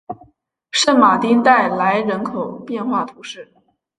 圣马丁代来人口变化图示